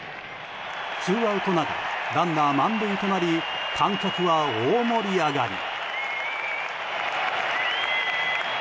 ツーアウトながらランナー満塁となり観客は大盛り上がり！